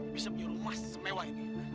bisa menyuruh emas semewa ini